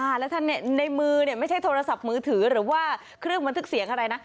แล้วท่านเนี่ยในมือเนี่ยไม่ใช่โทรศัพท์มือถือหรือว่าเครื่องบันทึกเสียงอะไรนะ